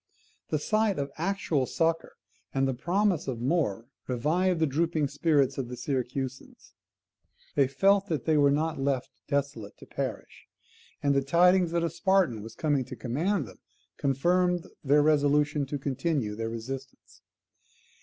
The sight of actual succour, and the promise of more, revived the drooping spirits of the Syracusans. They felt that they were not left desolate to perish; and the tidings that a Spartan was coming to command them confirmed their resolution to continue their resistance.